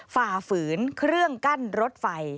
ฝ่าฝืนเครื่องกั้นรถไฟ